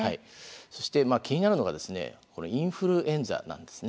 そして気になるのがインフルエンザなんですね。